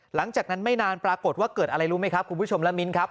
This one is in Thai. หลังจากนั้นไม่นานปรากฏว่าเกิดอะไรรู้ไหมครับคุณผู้ชมและมิ้นครับ